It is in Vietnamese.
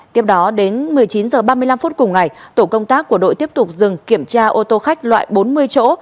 tiếp đó đến một mươi chín h ba mươi năm phút cùng ngày tổ công tác của đội tiếp tục dừng kiểm tra ô tô khách loại bốn mươi chỗ